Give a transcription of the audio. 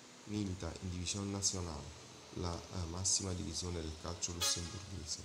Milita in Division Nationale, la massima divisione del calcio lussemburghese.